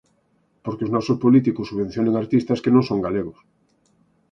Porque os nosos políticos subvencionan artistas que non son galegos.